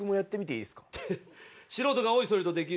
いいですか？